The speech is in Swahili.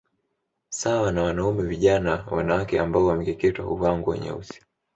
Sawa na wanaume vijana wanawake ambao wamekeketewa huvaa nguo nyeusi